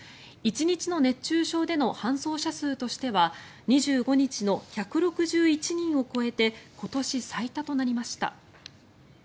１日の熱中症での搬送者数としては２５日の１６１人を超えて今年最多となりました。